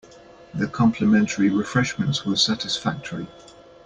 The complimentary refreshments were satisfactory.